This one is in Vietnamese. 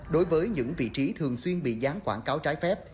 đối với những vị trí thường xuyên bị gián quảng cáo trái phép